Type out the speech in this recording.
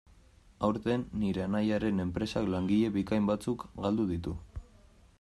Aurten, nire anaiaren enpresak langile bikain batzuk galdu ditu.